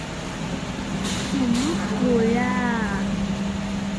喇叭状的铳口是雷筒与大口径卡宾枪的不同之处。